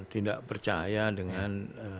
tidak percaya dengan